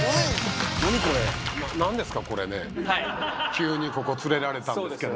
急にここ連れられたんですけど。